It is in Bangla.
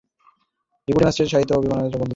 ডেপুটি ম্যাজিস্ট্রেটের সহিত বিপিনের বন্ধুত্ব ছিল।